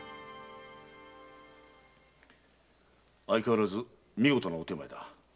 相変わらず見事なお点前だ。